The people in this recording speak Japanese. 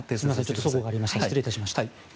失礼いたしました。